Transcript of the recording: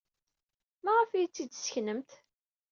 Maɣef ay iyi-tt-id-sseknent?